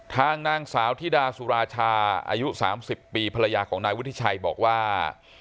ทางนางสาวธิดาสุราชาอายุ๓๐ปีภรรยาของนายวุฒิชัยบอกว่า